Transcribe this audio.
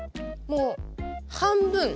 もう半分？